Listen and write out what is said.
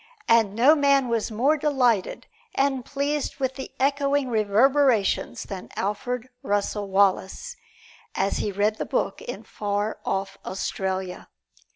And no man was more delighted and pleased with the echoing reverberations than Alfred Russel Wallace, as he read the book in far off Australia.